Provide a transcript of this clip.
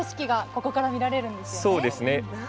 ここから見られるんですよね。